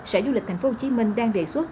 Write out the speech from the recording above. sở du lịch tp hcm đang đề xuất